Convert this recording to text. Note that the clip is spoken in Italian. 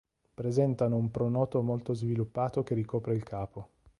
Presentano un pronoto molto sviluppato che ricopre il capo.